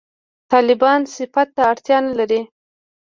«طالبان» صفت ته اړتیا نه لري.